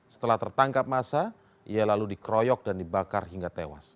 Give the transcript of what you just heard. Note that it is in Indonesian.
setelah tertangkap masa ia lalu dikeroyok dan dibakar hingga tewas